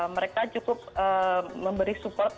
mereka cukup memberi support